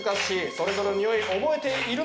それぞれのにおい覚えているのか？